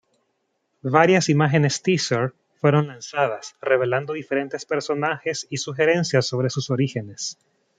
Varias imágenes "teaser" fueron lanzadas, revelando diferentes personajes y sugerencias sobre sus orígenes.